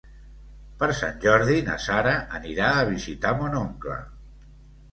Per Sant Jordi na Sara anirà a visitar mon oncle.